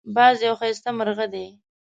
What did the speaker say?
باز یو ښایسته مرغه دی